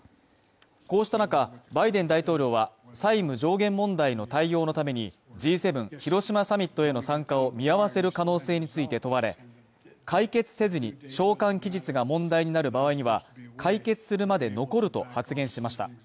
こうしたなか、バイデン大統領は、債務上限問題の対応のために、Ｇ７広島サミットへの参加を見合わせる可能性について問われ、解決せずに、償還期日が問題になる場合には、解決するまで残ると発言しました。